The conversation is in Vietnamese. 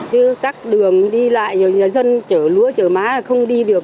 chứ tắt đường đi lại nhà dân chở lúa chở má là không đi được